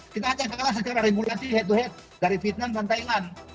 kita ajak kalah secara regulasi head to head dari vietnam dan thailand